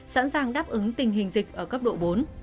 sẵn sàng đáp ứng tình hình dịch ở cấp độ bốn